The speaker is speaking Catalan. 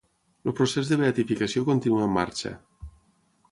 El procés de beatificació continua en marxa.